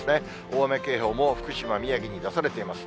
大雨警報も、福島、宮城に出されています。